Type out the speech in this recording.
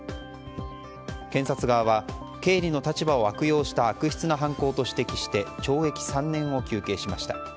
検察側は、経理の立場を悪用した悪質な犯行と指摘して懲役３年を求刑しました。